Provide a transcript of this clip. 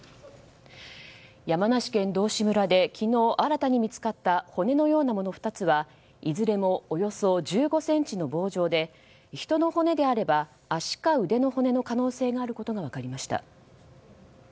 山梨県道志村で昨日、新たに見つかった骨のようなもの２つはいずれもおよそ１５ｃｍの棒状で人の骨であれば足か腕の骨の可能性があることが分かりました。